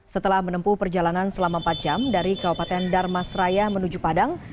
setelah menempuh perjalanan selama empat jam dari kabupaten darmas raya menuju padang